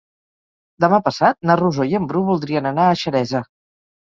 Demà passat na Rosó i en Bru voldrien anar a Xeresa.